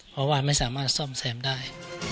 เพราะว่าไม่สามารถซ่อมแซมได้